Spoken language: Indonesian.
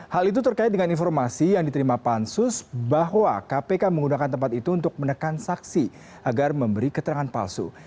hal itu terkait dengan informasi yang diterima pansus bahwa kpk menggunakan tempat itu untuk menekan saksi agar memberi keterangan palsu